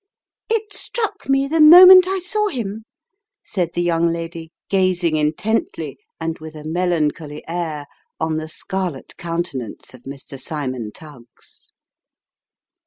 " It struck me, the moment I saw him," said the young lady, gazing intently, and with a melancholy air, on the scarlet countenance of Mr. Cymon Tuggs.